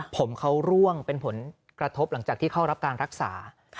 ผมเขาร่วงเป็นผลกระทบหลังจากที่เข้ารับการรักษา